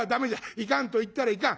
いかんと言ったらいかん。